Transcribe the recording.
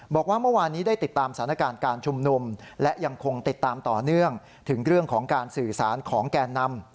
บอกว่าเมื่อวานนี้ได้ติดตามสถานการณ์การชุมนุมและยังคงติดตามต่อเนื่องถึงเรื่องของการสื่อสารของแกนนำ